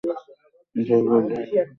এছাড়া খুব ধর্মনিরপেক্ষ মানুষও রয়েছে।